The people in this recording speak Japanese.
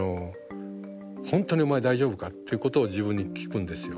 「本当にお前大丈夫か」ということを自分に聞くんですよ。